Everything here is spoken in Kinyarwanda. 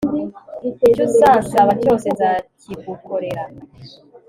icyo uzansaba cyose nzakigukorera